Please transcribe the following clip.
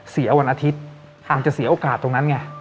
เสียวันอาทิตย์อาจจะเสียโอกาสตรงนั้นไง